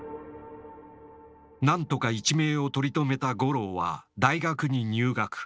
何とか一命を取り留めた五郎は大学に入学。